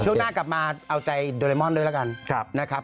ช่วงหน้ากลับมาเอาใจโดเรมอนด้วยแล้วกันนะครับ